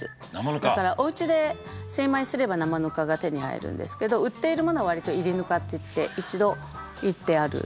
だからおうちで精米すれば生ぬかが手に入るんですけど売っているものは割と炒りぬかっていって一度炒ってある。